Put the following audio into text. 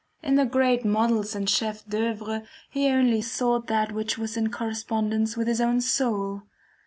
In the great models and CHEFS D'OEUVRE, he only sought that which was in correspondence with his own soul.